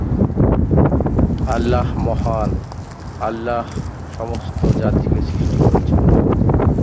Pakistan cricket দলের পক্ষে প্রথম অধিনায়কের দায়িত্ব পালন করেন তিনি।